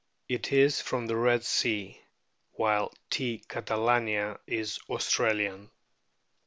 It is from the Red Sea, while T. catalania is Australian.